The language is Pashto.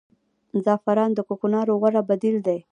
زعفران د کوکنارو غوره بدیل دی